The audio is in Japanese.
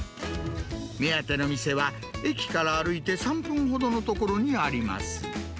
目当ての店は、駅から歩いて３分ほどの所にあります。